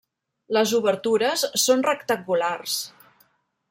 Les obertures són rectangulars.